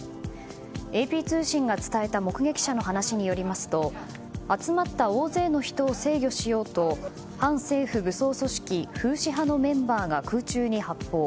ＡＰ通信が伝えた目撃者の話によりますと集まった大勢の人を制御しようと反政府武装組織フーシ派のメンバーが空中に発砲。